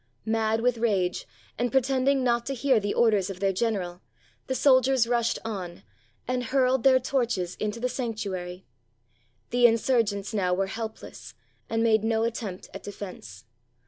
Mad with rage, and pretending not to hear the orders of their general, the soldiers rushed on, and hurled their torches into the sanctuary. The insurgents now were helpless, and made no attempt at defense.